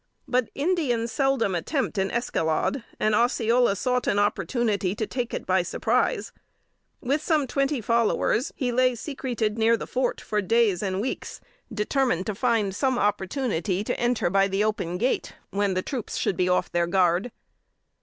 But Indians seldom attempt an escalade, and Osceola sought an opportunity to take it by surprise. With some twenty followers, he lay secreted near the fort for days and weeks, determined to find some opportunity to enter by the open gate, when the troops should be off their guard.